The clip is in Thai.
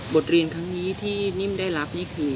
บทเรียนครั้งนี้ที่นิ่มได้รับนี่คือ